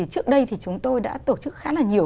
trước đây thì chúng tôi đã tổ chức khá là nhiều